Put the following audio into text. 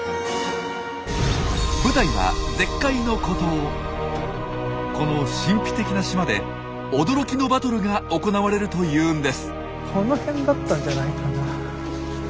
舞台はこの神秘的な島で驚きのバトルが行われるというんです。